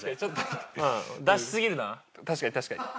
確かに確かに。